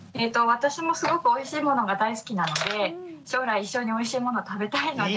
私もすごくおいしいものが大好きなので将来一緒においしいもの食べたいので。